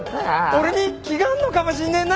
俺に気があんのかもしんねえな。